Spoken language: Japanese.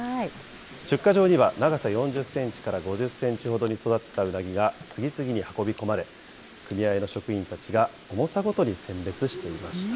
出荷場には、長さ４０センチから５０センチほどに育ったうなぎが次々に運び込まれ、組合の職員たちが重さごとに選別していました。